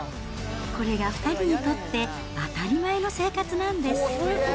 これが２人にとって当たり前の生活なんです。